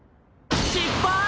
失敗！